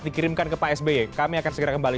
dikirimkan ke pak sby kami akan segera kembali